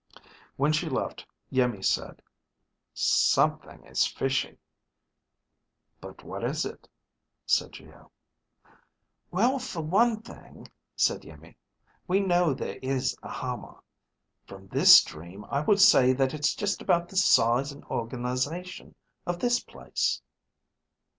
When she left, Iimmi said, "Something is fishy." "But what is it?" said Geo. "Well, for one thing," said Iimmi, "we know there is a Hama. From the dream I would say that it's just about the size and organization of this place."